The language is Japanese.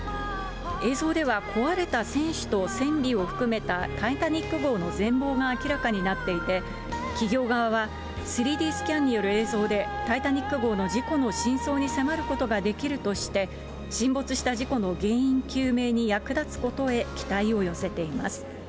映像では壊れた船首と船尾を含めたタイタニック号の全貌が明らかになっていて、企業側は３Ｄスキャンによる映像で、タイタニック号の事故の真相に迫ることができるとして、沈没した事故の原因究明に役立つことへ期待を寄せています。